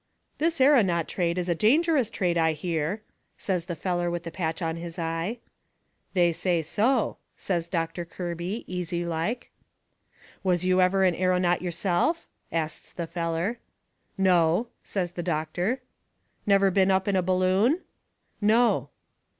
"This aeronaut trade is a dangerous trade, I hear," says the feller with the patch on his eye. "They say so," says Doctor Kirby, easy like. "Was you ever an aeronaut yourself?" asts the feller. "No," says the doctor. "Never been up in a balloon?" "No."